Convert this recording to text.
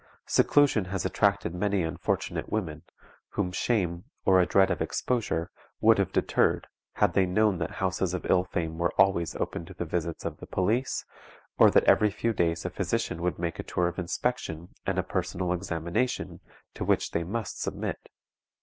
Seclusion has attracted many unfortunate women, whom shame, or a dread of exposure, would have deterred, had they known that houses of ill fame were always open to the visits of the police, or that every few days a physician would make a tour of inspection, and a personal examination, to which they must submit.